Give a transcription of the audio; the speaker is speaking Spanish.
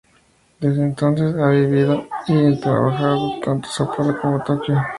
Desde entonces, ha vivido y trabajado tanto en São Paulo como en Tokio.